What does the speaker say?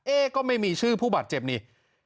ก็ไม่มีชื่อผู้บาดเจ็บนี่